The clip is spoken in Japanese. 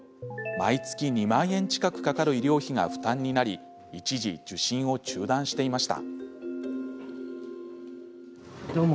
毎月２万円近くかかる医療費が負担になり一時、受診を中断していました。